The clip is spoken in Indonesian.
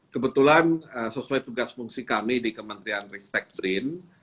kebetulan sesuai tugas fungsi kami di kementerian respect green